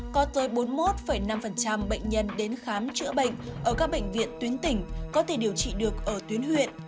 có tới bốn mươi một năm bệnh nhân đến khám chữa bệnh ở các bệnh viện tuyến tỉnh có thể điều trị được ở tuyến huyện